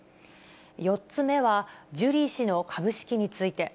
４つ目は、ジュリー氏の株式について。